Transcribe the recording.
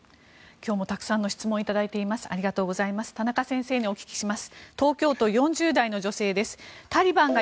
今日もたくさんの質問をいただいています。